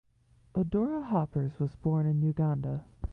Odora Hoppers was born in Uganda.